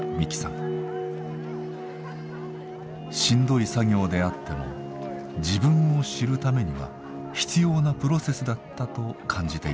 しんどい作業であっても自分を知るためには必要なプロセスだったと感じていました。